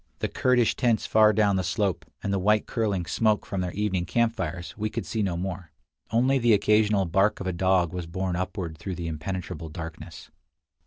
The Kurdish tents far down the slope, and the white curling smoke from their evening camp fires, we could see no more; only the occasional bark of a dog was borne upward through the impenetrable darkness.